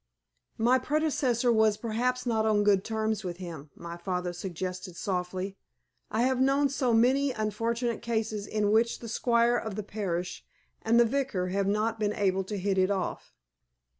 "My predecessor was perhaps not on good terms with him," my father suggested, softly. "I have known so many unfortunate cases in which the squire of the parish and the vicar have not been able to hit it off."